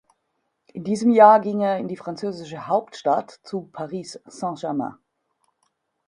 In diesem Jahr ging er in die französische Hauptstadt zu Paris Saint-Germain.